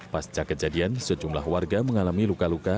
pasca kejadian sejumlah warga mengalami luka luka